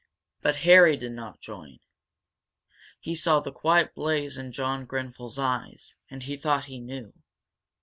But Harry did not join. He saw the quiet blaze in John Grenfel's eyes, and he thought he knew.